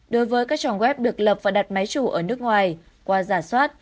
đối với các trang web được lập và đặt máy chủ ở nước ngoài qua giả soát